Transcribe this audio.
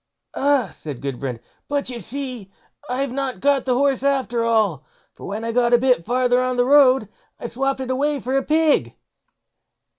"Ah!" said Gudbrand, "but you see I've not got the horse after all; for when I got a bit farther on the road, I swopped it away for a pig."